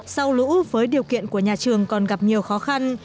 sau lũ với điều kiện của nhà trường còn gặp nhiều khó khăn